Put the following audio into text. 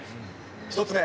１つ目。